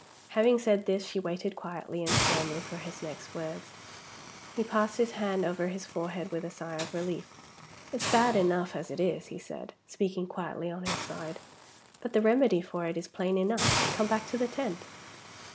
Having said this, she waited, quietly and firmly, for his next words. He passed his hand over his forehead with a sigh of relief. "It's bad enough as it is," he said, speaking quietly on his side. "But the remedy for it is plain enough. Come back to the tent."